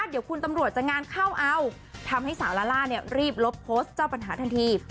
เดี๋ยวคุณตำรวจจะงานเข้าเอาทำให้สาวลาล่าเนี่ยรีบลบโพสต์เจ้าปัญหาทันที